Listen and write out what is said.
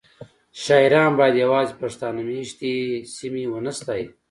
شاعران باید یوازې پښتانه میشتې سیمې ونه ستایي